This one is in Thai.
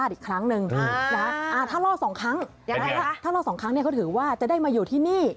ถ้ารอสองครั้งก็ถือว่าจะได้มาอยู่ที่นี่